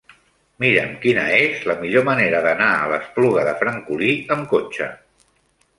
Mira'm quina és la millor manera d'anar a l'Espluga de Francolí amb cotxe.